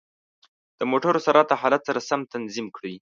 د موټرو سرعت د حالت سره سم تنظیم کړئ.